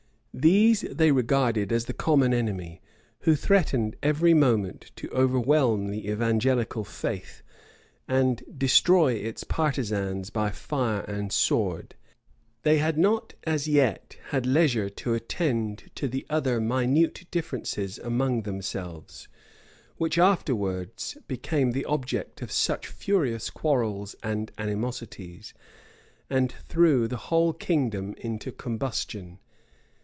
These they regarded as the common enemy, who threatened every moment to overwhelm the evangelical faith, and destroy its partisans by fire and sword: they had not as yet had leisure to attend to the other minute differences among themselves, which afterwards became the object of such furious quarrels and animosities, and threw the whole kingdom into combustion.